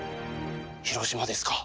広島ですか。